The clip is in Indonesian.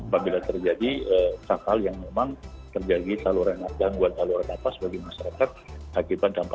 bila terjadi kapal yang memang terjadi saluran yang matang